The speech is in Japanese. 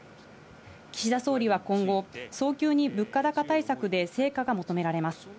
岸田総理は今後、早急に物価高対策で成果が求められます。